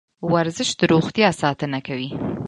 ورزش د روغتیا ساتنه کوي.